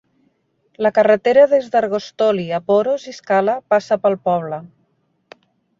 La carretera des d'Argostoli a Poros i Skala passa pel poble.